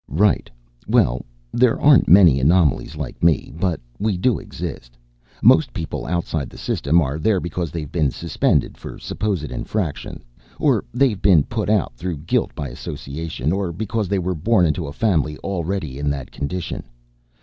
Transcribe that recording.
"Right. Well, there aren't many anomalies like me but we do exist. Most people outside the System are there because they've been Suspended for supposed infractions, or they've been put out through guilt by association, or because they were born into a family already in that condition.